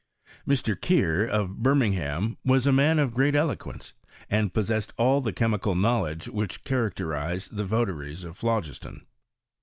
Mr. Keir, of Birminghain, was a man of great eloquence, and possessed of all the chemical knowledge which characterized the votaries of phlogiston.